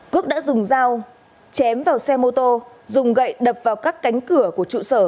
quốc đã dùng dao chém vào xe mô tô dùng gậy đập vào các cánh cửa của trụ sở